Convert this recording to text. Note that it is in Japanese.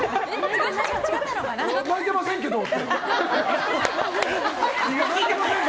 泣いてませんけどって。